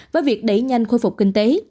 và việc đẩy nhanh khôi phục kinh tế